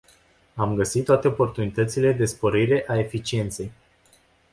Am găsit toate oportunitățile de sporire a eficienței.